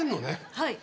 はい。